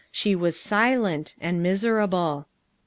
She was silent; and miserable.